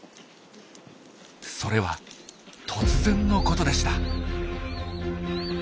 それは突然のことでした。